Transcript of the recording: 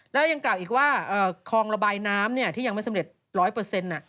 แล้วยังกล่าวอีกว่าคลองระบายน้ำที่ยังไม่สำเร็จร้อยเปอร์เซ็นต์